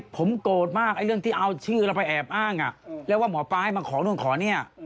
ผมโกรธมากไอ้เรื่องที่เอาชื่อเราไปแอบอ้างแล้วว่าหมอปลาให้มาขอนู่นขอเนี่ย